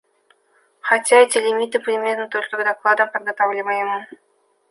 Хотя эти лимиты применимы только к докладам, подготавливаемым.